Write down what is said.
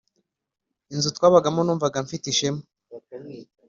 inzu twabagamo Numvaga mfite ishema